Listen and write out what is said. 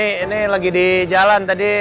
ini lagi di jalan tadi